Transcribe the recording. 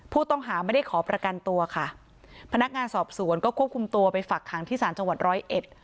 ผู้ต้องหาไม่ได้ขอประกันตัวค่ะพนักงานสอบสวนก็ควบคุมตัวไปฝักขังที่ศาลจังหวัดร้อยเอ็ด